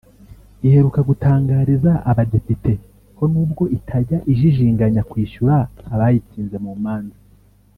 iheruka gutangariza abadepite ko nubwo itajya ijijinganya kwishyura abayitsinze mu manza